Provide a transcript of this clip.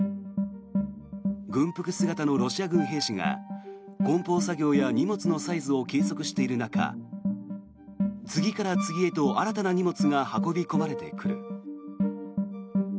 軍服姿のロシア軍兵士がこん包作業や荷物のサイズを計測している中次から次へと新たな荷物が運び込まれてくる。